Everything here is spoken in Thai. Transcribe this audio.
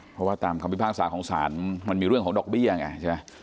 เพราะว่าตามคำพิพากษาของศาลมันมีเรื่องของดอกเบี้ยไงใช่ไหม